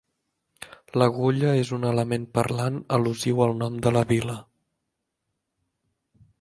L'agulla és un element parlant al·lusiu al nom de la vila.